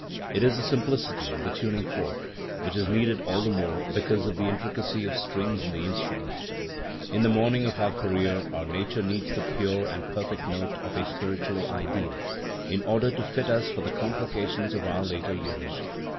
It is the simplicity of the tuning fork, which is needed all the more because of the intricacy of strings in the instrument. In the morning of our career our nature needs the pure and the perfect note of a spiritual ideal in order to fit us for the complications of our later years.